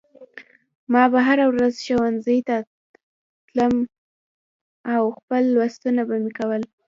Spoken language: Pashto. ما به هره ورځ ښوونځي ته تلم او خپل لوستونه به مې کول